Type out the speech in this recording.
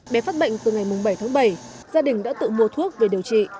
bé phát bệnh từ ngày bảy tháng bảy gia đình đã tự mua thuốc về điều trị